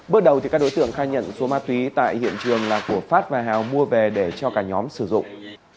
bước đầu các đối tượng khai nhận số ma túy tại hiện trường là của phát và hào mua về để cho cả nhóm sử dụng